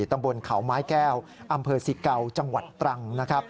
ตำบลเขาไม้แก้วอำเภอสิเกาจังหวัดตรังนะครับ